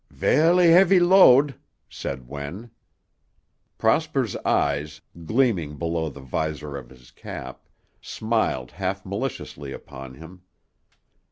"Velly heavy load," said Wen. Prosper's eyes, gleaming below the visor of his cap, smiled half maliciously upon him.